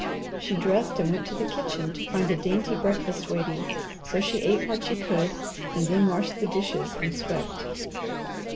She dressed and went to the kitchen to find a dainty breakfast waiting, so she ate what she could, and then washed the dishes and swept.